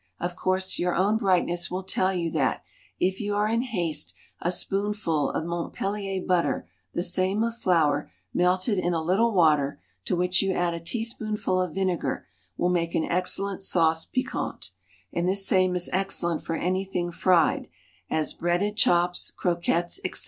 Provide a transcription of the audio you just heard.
Of course your own brightness will tell you that, if you are in haste, a spoonful of Montpellier butter, the same of flour, melted in a little water, to which you add a teaspoonful of vinegar, will make an excellent sauce piquant, and this same is excellent for anything fried, as breaded chops, croquettes, etc.